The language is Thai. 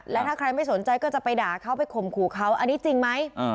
และถ้าใครไม่สนใจก็จะไปด่าเขาไปข่มขู่เขาอันนี้จริงไหม